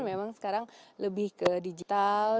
memang sekarang lebih ke digital